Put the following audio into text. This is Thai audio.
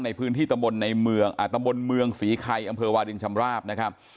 ในพื้นที่ตำบลในเมืองตำบลเมืองศรีไข่อำเภอวาลินชำราบนะครับ